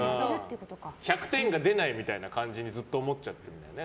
１００点が出ないみたいにずっと思っちゃってるんだね。